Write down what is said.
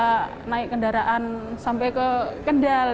saya tidak bisa naik kendaraan sampai ke kendal